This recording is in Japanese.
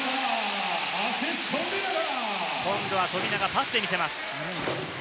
今度は富永、パスで見せます。